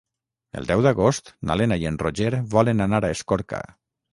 El deu d'agost na Lena i en Roger volen anar a Escorca.